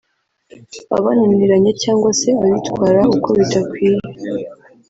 abananiranye cyangwa se abitwara uko bidakwiye